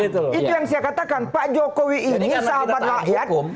itu yang saya katakan pak jokowi ini sahabat rakyat